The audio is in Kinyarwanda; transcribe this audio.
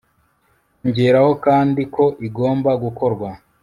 ongeraho kandi ko igomba gukorwa